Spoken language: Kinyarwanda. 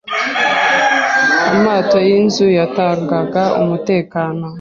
amato y’inzuzi yatangaga umutekano